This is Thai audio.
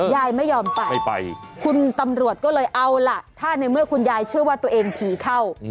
ยายไม่ยอมไปไม่ไปคุณตำรวจก็เลยเอาล่ะถ้าในเมื่อคุณยายเชื่อว่าตัวเองผีเข้า